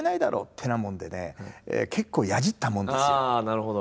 ああなるほど。